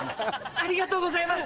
ありがとうございます！